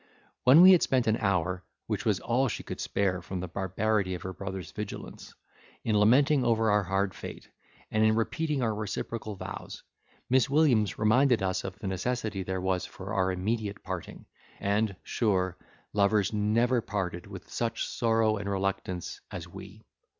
When we had spent an hour (which was all she could spare from the barbarity of her brother's vigilance) in lamenting over our hard fate, and in repeating our reciprocal vows, Miss Williams reminded us of the necessity there was for our immediate parting; and, sure, lovers never parted with such sorrow and reluctance as we.